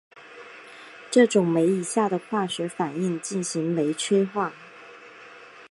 这种酶以下的化学反应进行酶催化。